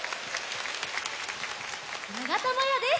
ながたまやです。